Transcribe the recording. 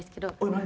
何？